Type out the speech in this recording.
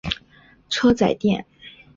车仔电。